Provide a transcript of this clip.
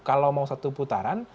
kalau mau satu putaran